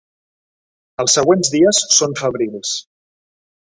Els següents dies són febrils.